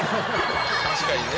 確かにね